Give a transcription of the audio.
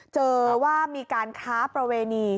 เจอว่ามีการค้าประเวณี